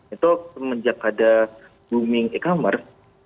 itu semenjak ada booming e commerce